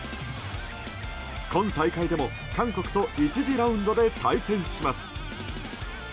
今大会でも韓国と１次ラウンドで対戦します。